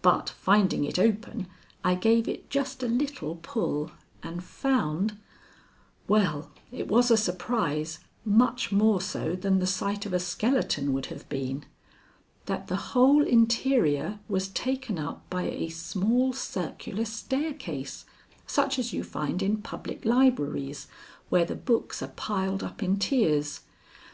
But finding it open, I gave it just a little pull and found well, it was a surprise, much more so than the sight of a skeleton would have been that the whole interior was taken up by a small circular staircase such as you find in public libraries where the books are piled up in tiers.